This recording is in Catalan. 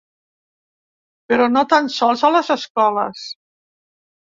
Però no tan sols a les escoles.